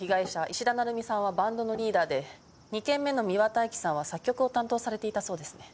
氏田鳴海さんはバンドのリーダーで二件目の美和大樹さんは作曲を担当されていたそうですね。